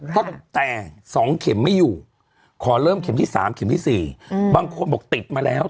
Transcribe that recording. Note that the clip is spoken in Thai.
ก็แต่สองเข็มไม่อยู่ขอเริ่มเข็มที่สามเข็มที่สี่อืมบางคนบอกติดมาแล้ว